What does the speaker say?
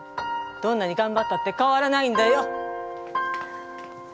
どんなにがんばったって変わらないんだよ！